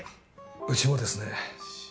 うちもですね